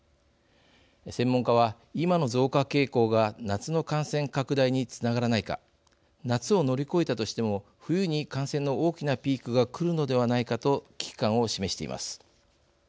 専門家は、今の増加傾向が夏の感染拡大につながらないか夏を乗り越えたとしても冬に感染の大きなピークがくるのではないかと危機感を示しています。